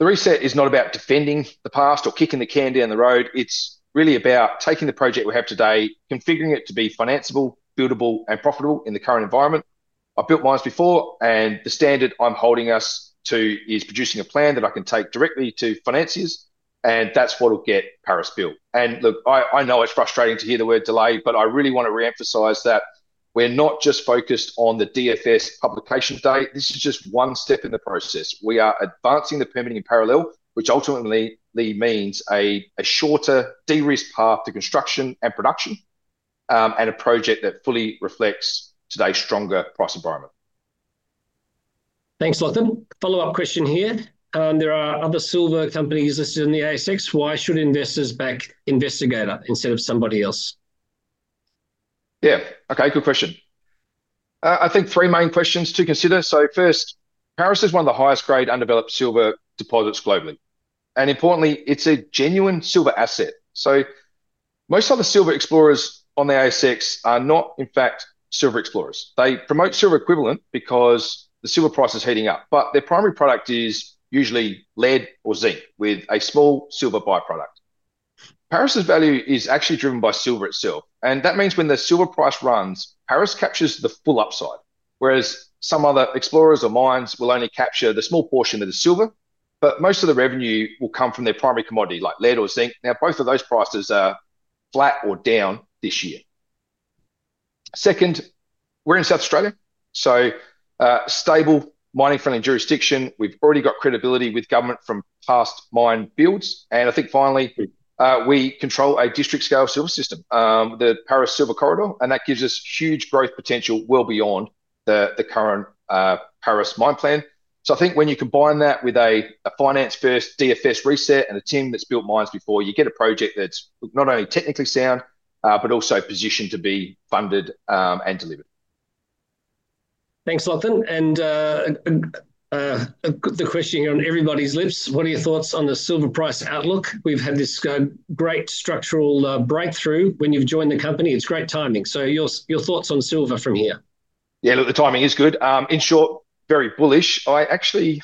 [SPEAKER 1] reset is not about defending the past or kicking the can down the road. It's really about taking the project we have today, configuring it to be financeable, buildable, and profitable in the current environment. I've built mines before, and the standard I'm holding us to is producing a plan that I can take directly to financiers, and that's what'll get Paris built. I know it's frustrating to hear the word delay, but I really want to reemphasize that we're not just focused on the DFS publication date. This is just one step in the process. We are advancing the permitting in parallel, which ultimately means a shorter de-risk path to construction and production, and a project that fully reflects today's stronger price environment.
[SPEAKER 2] Thanks, Lachlan. Follow-up question here. There are other silver companies listed in the ASX. Why should investors back Investigator instead of somebody else?
[SPEAKER 1] Yeah, okay, good question. I think three main questions to consider. First, Paris is one of the highest-grade undeveloped silver deposits globally. Importantly, it's a genuine silver asset. Most other silver explorers on the ASX are not, in fact, silver explorers. They promote silver equivalent because the silver price is heating up, but their primary product is usually lead or zinc with a small silver byproduct. Paris's value is actually driven by silver itself, and that means when the silver price runs, Paris captures the full upside, whereas some other explorers or mines will only capture the small portion that is silver, but most of the revenue will come from their primary commodity like lead or zinc. Both of those prices are flat or down this year. Second, we're in South Australia, a stable mining-friendly jurisdiction. We've already got credibility with government from past mine builds. Finally, we control a district-scale silver system, the Paris Silver Corridor, and that gives us huge growth potential well beyond the current Paris mine plan. I think when you combine that with a finance-first DFS reset and a team that's built mines before, you get a project that's not only technically sound, but also positioned to be funded and delivered.
[SPEAKER 2] Thanks, Lachlan. The question here on everybody's lips, what are your thoughts on the silver price outlook? We've had this great structural breakthrough when you've joined the company. It's great timing. Your thoughts on silver from here?
[SPEAKER 1] Yeah, look, the timing is good. In short, very bullish. I actually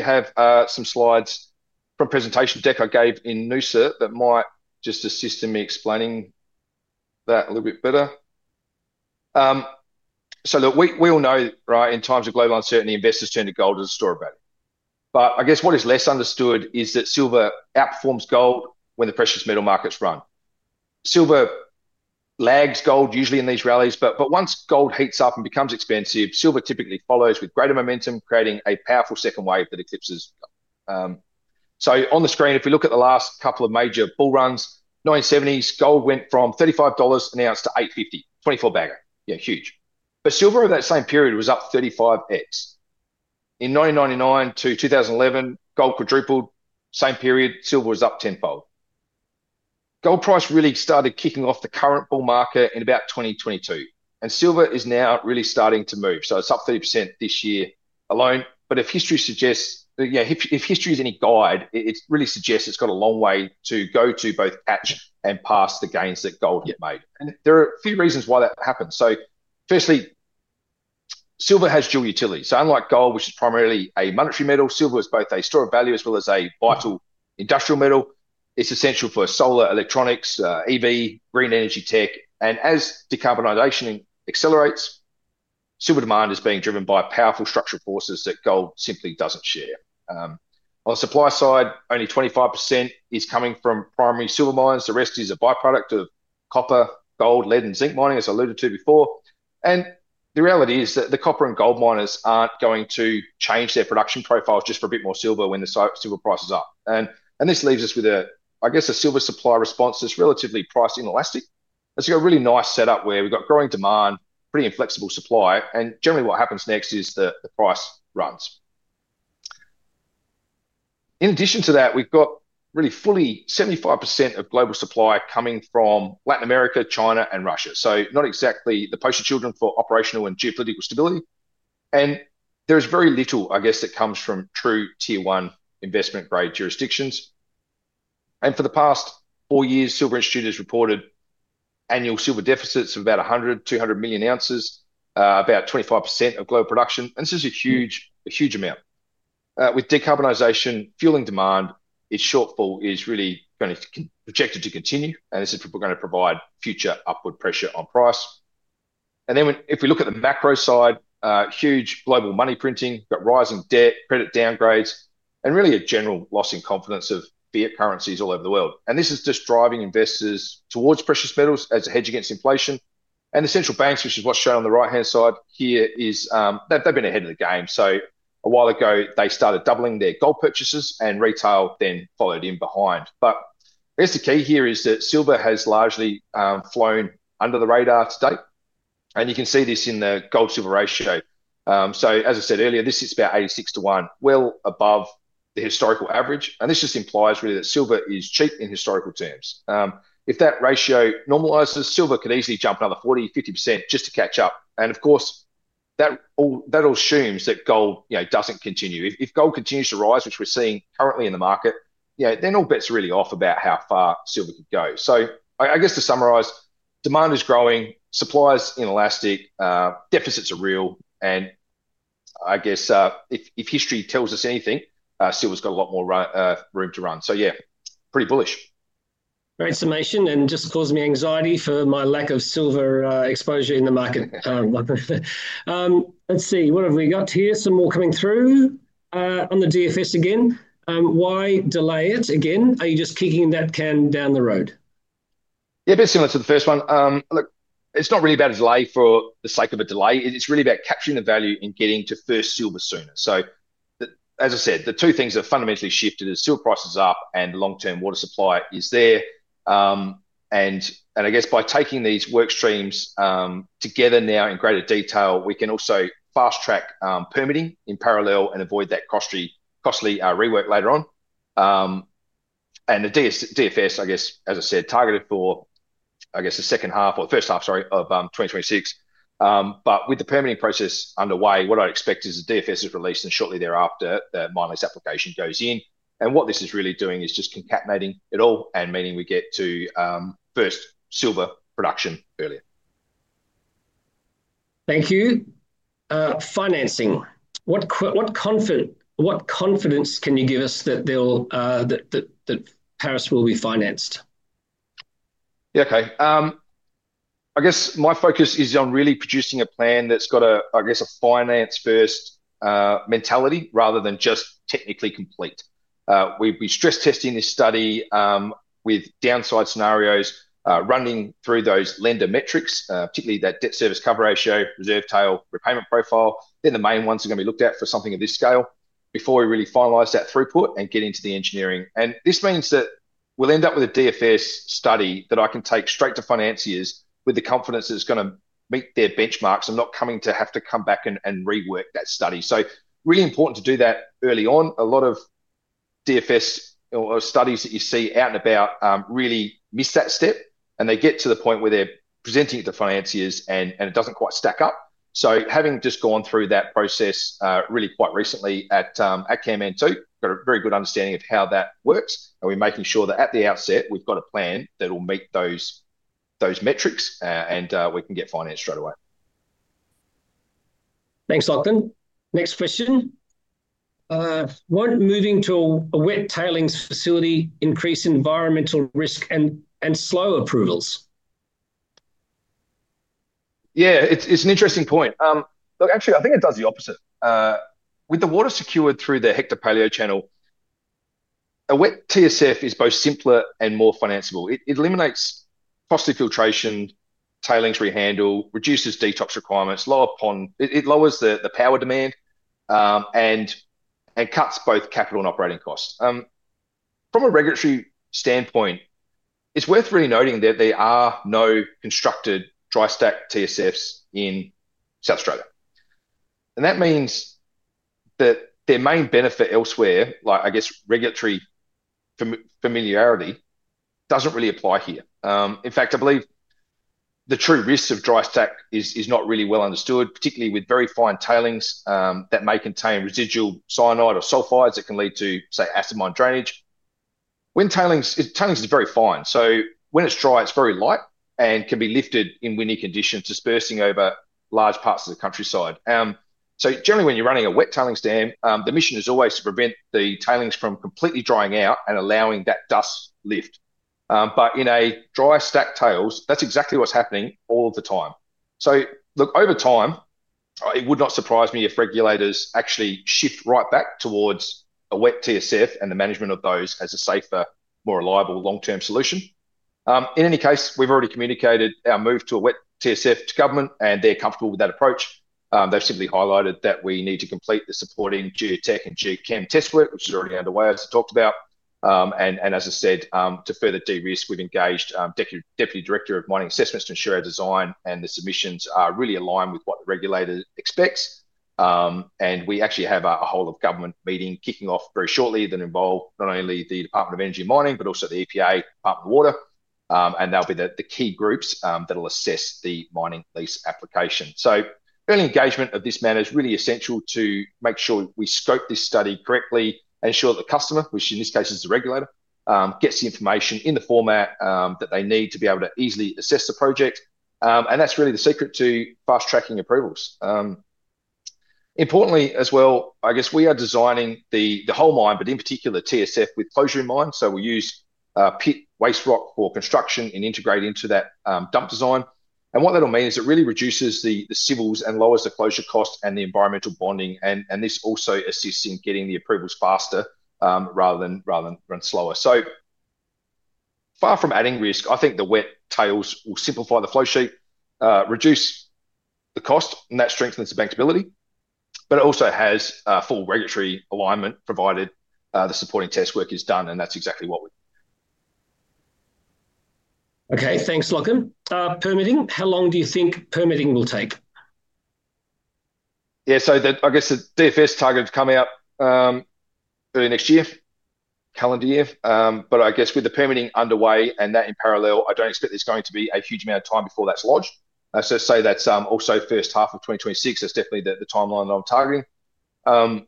[SPEAKER 1] have some slides from a presentation deck I gave in Noosa that might just assist in me explaining that a little bit better. Look, we all know, right, in times of global uncertainty, investors turn to gold as a store of value. I guess what is less understood is that silver outperforms gold when the precious metal markets run. Silver lags gold usually in these rallies, but once gold heats up and becomes expensive, silver typically follows with greater momentum, creating a powerful second wave that eclipses. On the screen, if we look at the last couple of major bull runs, 1970s, gold went from $35 an ounce to $850, 24 bagger. Yeah, huge. Silver over that same period was up 35x. In 1999 to 2011, gold quadrupled. Same period, silver was up tenfold. Gold price really started kicking off the current bull market in about 2022, and silver is now really starting to move. It's up 30% this year alone. If history is any guide, it really suggests it's got a long way to go to both catch and pass the gains that gold yet made. There are a few reasons why that happens. Firstly, silver has dual utility. Unlike gold, which is primarily a monetary metal, silver is both a store of value as well as a vital industrial metal. It's essential for solar electronics, EV, green energy tech. As decarbonisation accelerates, silver demand is being driven by powerful structural forces that gold simply doesn't share. On the supply side, only 25% is coming from primary silver mines. The rest is a byproduct of copper, gold, lead, and zinc mining, as I alluded to before. The reality is that the copper and gold miners aren't going to change their production profiles just for a bit more silver when the silver prices are. This leaves us with a silver supply response that's relatively price inelastic. It's got a really nice setup where we've got growing demand, pretty inflexible supply, and generally what happens next is the price runs. In addition to that, we've got really fully 75% of global supply coming from Latin America, China, and Russia. Not exactly the poster children for operational and geopolitical stability. There is very little, I guess, that comes from true Tier 1 investment-grade jurisdictions. For the past four years, the silver industry has reported annual silver deficits of about 100, 200 million ounces, about 25% of global production. This is a huge amount. With decarbonization fueling demand, its shortfall is really going to be projected to continue, and this is what is going to provide future upward pressure on price. If we look at the macro side, huge global money printing, rising debt, credit downgrades, and really a general loss in confidence of fiat currencies all over the world are just driving investors towards precious metals as a hedge against inflation. The central banks, which is what's shown on the right-hand side here, have been ahead of the game. A while ago, they started doubling their gold purchases, and retail then followed in behind. The key here is that silver has largely flown under the radar to date. You can see this in the gold-silver ratio. As I said earlier, this is about 86 to 1, well above the historical average. This just implies really that silver is cheap in historical terms. If that ratio normalizes, silver could easily jump another 40, 50% just to catch up. Of course, that all assumes that gold doesn't continue. If gold continues to rise, which we're seeing currently in the market, then all bets are really off about how far silver could go. To summarize, demand is growing, supply is inelastic, deficits are real, and if history tells us anything, silver's got a lot more room to run. Pretty bullish.
[SPEAKER 2] Great summation, and just causes me anxiety for my lack of silver exposure in the market. Let's see, what have we got here? Some more coming through on the DFS again. Why delay it again? Are you just kicking that can down the road?
[SPEAKER 1] Yeah, a bit similar to the first one. Look, it's not really about a delay for the sake of a delay. It's really about capturing the value and getting to first silver sooner. As I said, the two things that have fundamentally shifted is silver prices up and the long-term water supply is there. By taking these work streams together now in greater detail, we can also fast-track permitting in parallel and avoid that costly rework later on. The DFS, as I said, targeted for the first half, sorry, of 2026. With the permitting process underway, what I'd expect is the DFS is released and shortly thereafter the mine lease application goes in. What this is really doing is just concatenating it all and meaning we get to first silver production earlier.
[SPEAKER 2] Thank you. Financing, what confidence can you give us that Paris will be financed?
[SPEAKER 1] Yeah, okay. I guess my focus is on really producing a plan that's got a, I guess, a finance-first mentality rather than just technically complete. We've been stress-testing this study with downside scenarios, running through those lender metrics, particularly that debt service cover ratio, reserve tail, repayment profile. The main ones are going to be looked at for something of this scale before we really finalize that throughput and get into the engineering. This means that we'll end up with a DFS study that I can take straight to financiers with the confidence that it's going to meet their benchmarks. I'm not coming to have to come back and rework that study. Really important to do that early on. A lot of DFS or studies that you see out and about really miss that step, and they get to the point where they're presenting it to financiers and it doesn't quite stack up. Having just gone through that process really quite recently at Kanmantoo, I've got a very good understanding of how that works. We're making sure that at the outset we've got a plan that will meet those metrics and we can get financed straight away.
[SPEAKER 2] Thanks, Lachlan. Next question. Won't moving to a conventional wet tailings facility increase environmental risk and slow approvals?
[SPEAKER 1] Yeah, it's an interesting point. Look, actually, I think it does the opposite. With the water secured through the Hector-Palio channel, a wet TSF is both simpler and more financeable. It eliminates costly filtration, tailings re-handle, reduces detox requirements, lowers the power demand, and cuts both capital and operating costs. From a regulatory standpoint, it's worth really noting that there are no constructed dry stack TSFs in South Australia. That means that their main benefit elsewhere, like regulatory familiarity, doesn't really apply here. In fact, I believe the true risk of dry stack is not really well understood, particularly with very fine tailings that may contain residual cyanide or sulfides that can lead to, say, after mine drainage. When tailings is very fine, when it's dry, it's very light and can be lifted in windy conditions, dispersing over large parts of the countryside. Generally, when you're running a wet tailings dam, the mission is always to prevent the tailings from completely drying out and allowing that dust lift. In a dry stack tails, that's exactly what's happening all the time. Over time, it would not surprise me if regulators actually shift right back towards a wet TSF and the management of those as a safer, more reliable long-term solution. In any case, we've already communicated our move to a wet TSF to government, and they're comfortable with that approach. They've simply highlighted that we need to complete the supporting geotech and geochem test work, which is already underway, as I talked about. As I said, to further de-risk, we've engaged Deputy Director of Mining Assessments to ensure our design and the submissions really align with what the regulator expects. We actually have a whole government meeting kicking off very shortly that involves not only the Department of Energy Mining, but also the EPA, Department of Water. They'll be the key groups that'll assess the mining lease application. Early engagement of this matter is really essential to make sure we scope this study correctly and ensure that the customer, which in this case is the regulator, gets the information in the format that they need to be able to easily assess the project. That's really the secret to fast-tracking approvals. Importantly as well, I guess we are designing the whole mine, but in particular the TSF with closure in mind. We'll use pit waste rock for construction and integrate into that dump design. What that'll mean is it really reduces the civils and lowers the closure cost and the environmental bonding. This also assists in getting the approvals faster rather than slower. Far from adding risk, I think the wet tails will simplify the flow sheet, reduce the cost, and that strengthens the bank's ability. It also has full regulatory alignment provided the supporting test work is done, and that's exactly what we're doing.
[SPEAKER 2] Okay, thanks, Lachlan. Permitting, how long do you think permitting will take?
[SPEAKER 1] Yeah, I guess the DFS is targeted to come out early next year, calendar year. With the permitting underway and that in parallel, I don't expect there's going to be a huge amount of time before that's launched. Say that's also first half of 2026. That's definitely the timeline that I'm targeting.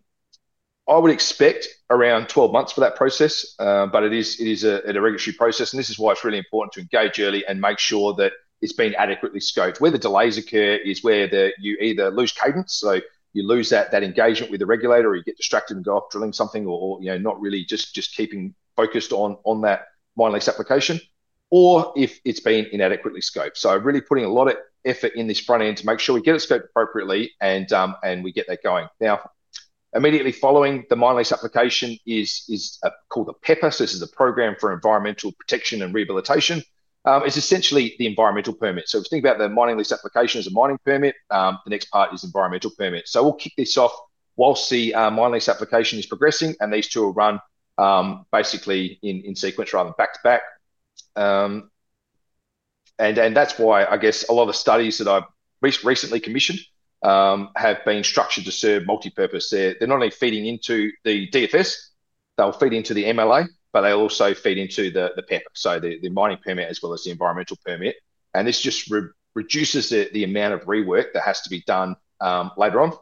[SPEAKER 1] I would expect around 12 months for that process, but it is a regulatory process. This is why it's really important to engage early and make sure that it's been adequately scoped. Where the delays occur is where you either lose cadence, so you lose that engagement with the regulator, or you get distracted and go off drilling something or not really just keeping focused on that mine lease application, or if it's been inadequately scoped. Really putting a lot of effort in this front end to make sure we get it scoped appropriately and we get that going. Now, immediately following the mine lease application is called a PEPAS. This is a program for environmental protection and rehabilitation. It's essentially the environmental permit. If you think about the mining lease application as a mining permit, the next part is the environmental permit. We'll kick this off whilst the mine lease application is progressing, and these two will run basically in sequence rather than back to back. That's why a lot of the studies that I've recently commissioned have been structured to serve multipurpose. They're not only feeding into the DFS, they'll feed into the MLA, but they'll also feed into the PEPAS, so the mining permit as well as the environmental permit. This just reduces the amount of rework that has to be done later on.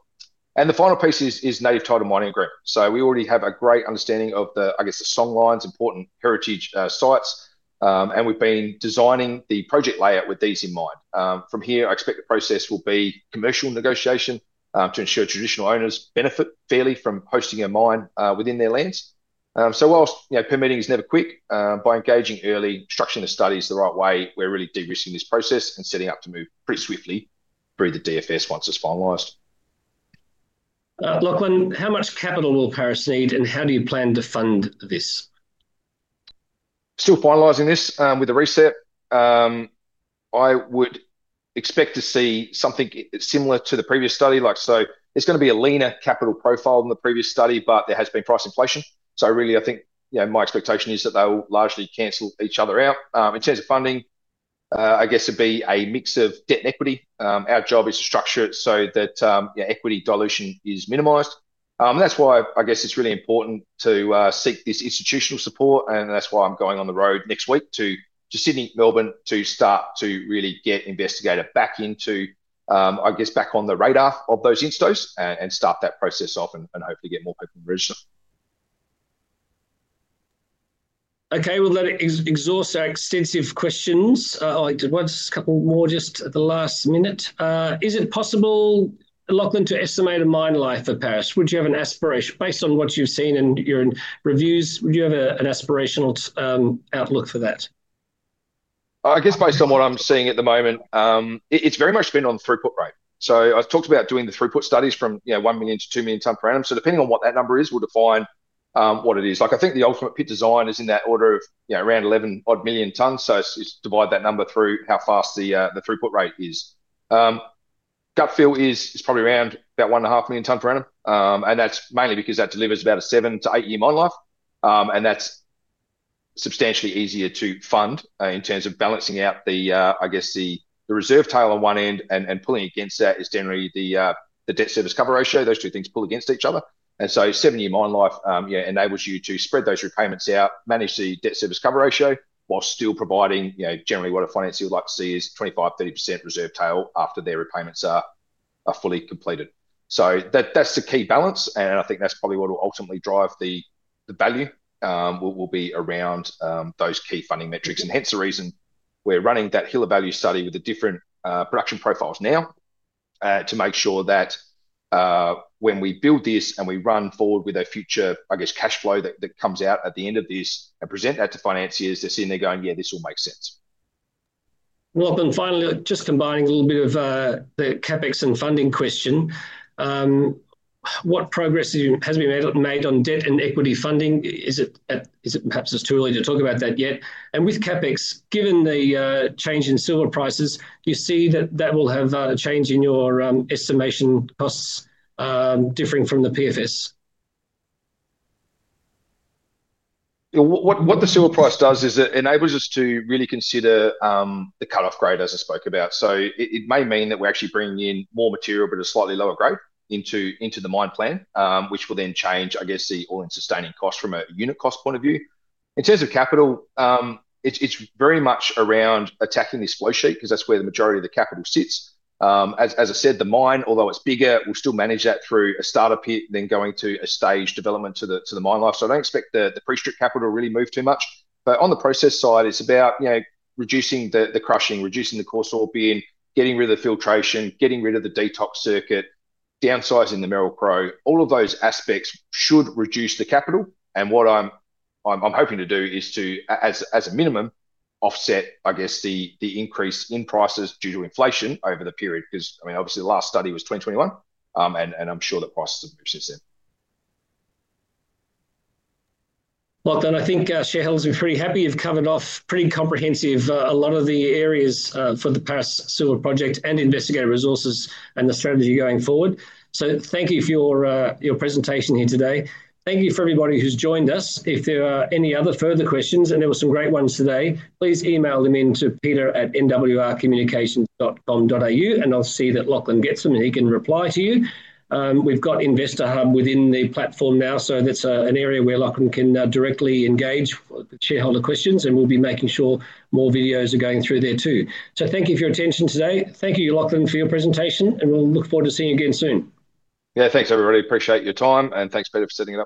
[SPEAKER 1] The final piece is native title mining agreement. We already have a great understanding of the song lines, important heritage sites, and we've been designing the project layout with these in mind. From here, I expect the process will be commercial negotiation to ensure traditional owners benefit fairly from hosting a mine within their lands. Whilst permitting is never quick, by engaging early, structuring the studies the right way, we're really de-risking this process and setting up to move pretty swiftly through the DFS once it's finalized.
[SPEAKER 2] Lachlan, how much capital will Paris need and how do you plan to fund this?
[SPEAKER 1] Still finalizing this with a reset. I would expect to see something similar to the previous study. It's going to be a leaner capital profile than the previous study, but there has been price inflation. I think my expectation is that they'll largely cancel each other out. In terms of funding, I guess it'd be a mix of debt and equity. Our job is to structure it so that equity dilution is minimized. That's why it's really important to seek this institutional support. That's why I'm going on the road next week to Sydney, Melbourne to start to really get Investigator back into, I guess, back on the radar of those instos and start that process off and hopefully get more people to register.
[SPEAKER 2] Okay, we'll let it exhaust our extensive questions. I want a couple more just at the last minute. Is it possible, Lachlan, to estimate a mine life for Paris? Would you have an aspiration, based on what you've seen in your reviews? Would you have an aspirational outlook for that?
[SPEAKER 1] I guess based on what I'm seeing at the moment, it's very much been on the throughput rate. I've talked about doing the throughput studies from 1 million to 2 million tonnes per annum. Depending on what that number is, we'll define what it is. I think the ultimate pit design is in that order of around 11 odd million tonnes. Just divide that number through how fast the throughput rate is. Gut feel is probably around about 1.5 million tonnes per annum, and that's mainly because that delivers about a 7 to 8 year mine life. That's substantially easier to fund in terms of balancing out the reserve tail on one end and pulling against that is generally the debt service cover ratio. Those two things pull against each other. A 7 year mine life enables you to spread those repayments out, manage the debt service cover ratio while still providing, you know, generally what a financier would like to see is 25, 30% reserve tail after their repayments are fully completed. That's the key balance, and I think that's probably what will ultimately drive the value will be around those key funding metrics. Hence the reason we're running that hill of value study with the different production profiles now to make sure that when we build this and we run forward with a future cash flow that comes out at the end of this and present that to financiers to see and they're going, yeah, this will make sense.
[SPEAKER 2] Lachlan, finally, just combining a little bit of the CapEx and funding question, what progress has been made on debt and equity funding? Is it perhaps too early to talk about that yet? With CapEx, given the change in silver prices, do you see that that will have a change in your estimation costs differing from the PFS?
[SPEAKER 1] What the silver price does is it enables us to really consider the cut-off grade, as I spoke about. It may mean that we're actually bringing in more material, but at a slightly lower grade into the mine plan, which will then change, I guess, the all-in sustaining cost from a unit cost point of view. In terms of capital, it's very much around attacking this flow sheet because that's where the majority of the capital sits. As I said, the mine, although it's bigger, we'll still manage that through a startup pit, going to a staged development to the mine life. I don't expect the pre-strip capital to really move too much. On the process side, it's about reducing the crushing, reducing the coarse ore bin, getting rid of the filtration, getting rid of the detox circuit, downsizing the mineral crow, all of those aspects should reduce the capital. What I'm hoping to do is to, as a minimum, offset, I guess, the increase in prices due to inflation over the period because, I mean, obviously, the last study was 2021, and I'm sure that prices have increased since then.
[SPEAKER 2] Lachlan, I think shareholders are very happy. You've covered off pretty comprehensively a lot of the areas for the Paris Project and Investigator Resources and the strategy going forward. Thank you for your presentation here today. Thank you for everybody who's joined us. If there are any other further questions, and there were some great ones today, please email them into Peter at mwrcommunication.com.au, and I'll see that Lachlan gets them and he can reply to you. We've got Investor Hub within the platform now, which is an area where Lachlan can directly engage with shareholder questions, and we'll be making sure more videos are going through there too. Thank you for your attention today. Thank you, Lachlan, for your presentation, and we'll look forward to seeing you again soon.
[SPEAKER 1] Yeah, thanks, everybody. Appreciate your time, and thanks, Peter, for sitting down.